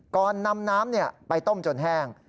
ก่อนนำน้ำไปต้มจนแห้ง